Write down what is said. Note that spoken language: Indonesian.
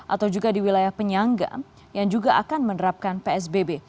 atau juga di wilayah penyangga yang juga akan menerapkan psbb